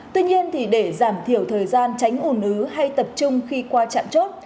tuy nhiên thì để giảm thiểu thời gian tránh ủn ứ hay tập trung khi qua trạm chốt